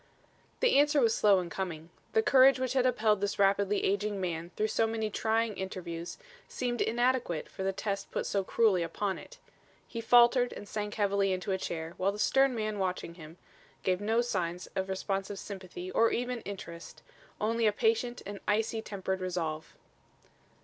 The answer was slow in coming. The courage which had upheld this rapidly aging man through so many trying interviews, seemed inadequate for the test put so cruelly upon it. He faltered and sank heavily into a chair, while the stern man watching him, gave no signs of responsive sympathy or even interest, only a patient and icy tempered resolve.